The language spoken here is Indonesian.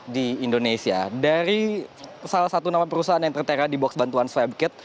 di indonesia dari salah satu nama perusahaan yang tertera di box bantuan swabcat